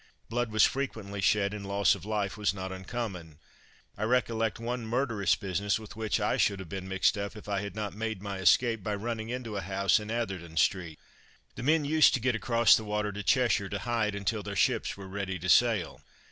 Blood was frequently shed, and loss of life was not uncommon. I recollect one murderous business with which I should have been mixed up if I had not made my escape by running into a house in Atherton street. The men used to get across the water to Cheshire to hide until their ships were ready to sail.